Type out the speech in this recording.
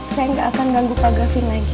saya gak akan ganggu pak gafin lagi